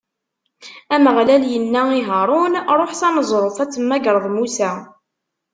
Ameɣlal inna i Haṛun: Ṛuḥ s aneẓruf ad temmagreḍ Musa.